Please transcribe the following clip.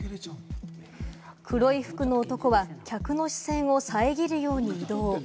黒い服の男は客の視線を遮るように移動。